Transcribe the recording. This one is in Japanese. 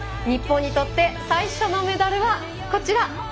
日本にとって最初のメダルはこちら。